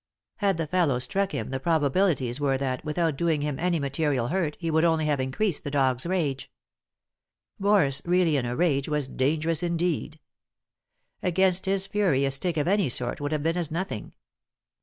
Had the fellow struck him the probabilities were that, without doing him any material hurt, he would only have increased the dog's rage. Boris, really in a rage, was dangerous indeed. Against his fury a stick of any sort would have been as nothing.